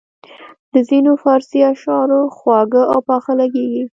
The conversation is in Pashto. د ځینو فارسي اشعار خواږه او پاخه لګیږي.